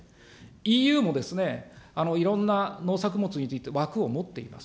ＥＵも、いろんな農作物について枠を持っています。